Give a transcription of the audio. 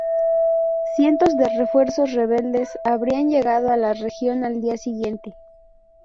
Cientos de refuerzos rebeldes habrían llegado a la región al día siguiente.